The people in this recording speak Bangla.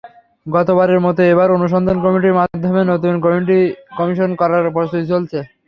গতবারের মতো এবারও অনুসন্ধান কমিটির মাধ্যমে নতুন কমিশন গঠন করার প্রস্তুতি চলছে।